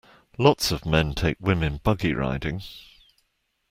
Lots of men take women buggy riding.